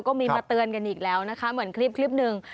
ก็มีมาเตือนกันอีกแล้วนะคะเหมือนคลิปคลิปหนึ่ง